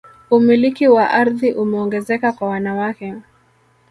umiliki wa ardhi umeongezeka kwa wanawake